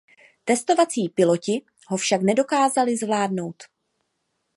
Testovací piloti ho však nedokázali zvládnout.